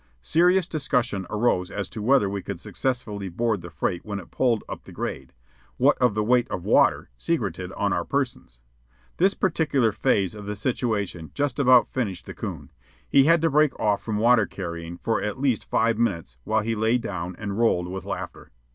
Serious discussion arose as to whether we could successfully board the freight when it pulled up the grade, what of the weight of water secreted on our persons. This particular phase of the situation just about finished the coon. He had to break off from water carrying for at least five minutes while he lay down and rolled with laughter.